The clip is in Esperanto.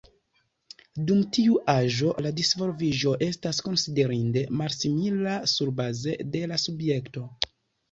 Dum tiu aĝo la disvolviĝo estas konsiderinde malsimila surbaze de la subjekto.